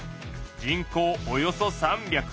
人口およそ３００。